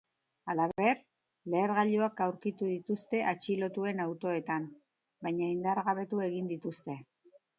Halaber, lehergailuak aurkitu dituzte atxilotuen autoetan, baina indargabetu egin dituzte.